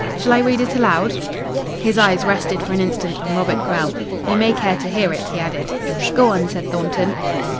"Shall I read it aloud?" His eyes rested for an instant on Robert Grell. "You may care to hear it," he added. "Go on," said Thornton.